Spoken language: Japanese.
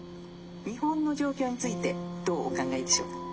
「日本の状況についてどうお考えでしょうか？」。